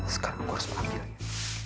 sekarang aku harus mengambilnya